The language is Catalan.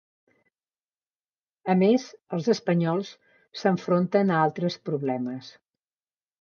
A més, els espanyols s'enfronten a altres problemes.